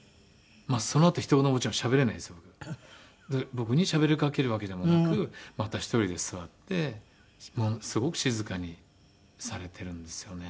僕にしゃべりかけるわけでもなくまた１人で座ってすごく静かにされてるんですよね。